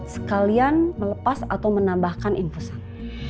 sekalian melepas atau menambahkan infusan